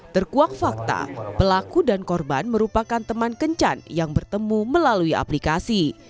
terkuak fakta pelaku dan korban merupakan teman kencan yang bertemu melalui aplikasi